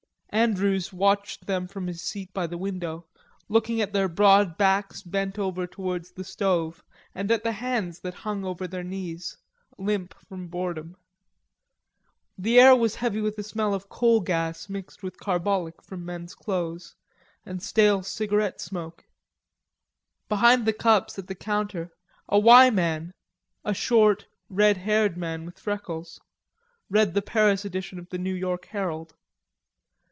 Andrews watched them from his seat by the window, looking at their broad backs bent over towards the stove and at the hands that hung over their knees, limp from boredom. The air was heavy with a smell of coal gas mixed with carbolic from men's clothes, and stale cigarette smoke. Behind the cups at the counter a "Y" man, a short, red haired man with freckles, read the Paris edition of the New York Herald.